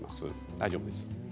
大丈夫です。